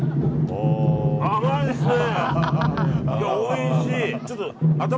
甘いですね。